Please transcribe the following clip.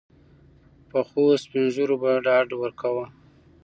پخوسپین ږیرو به ډاډ ورکاوه.